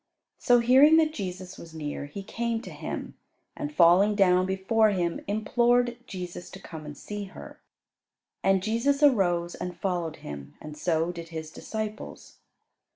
So hearing that Jesus was near, he came to Him, and, falling down before Him, implored Jesus to come and see her. And Jesus arose, and followed him, and so did His disciples.